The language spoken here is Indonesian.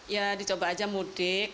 ya dicoba aja mudik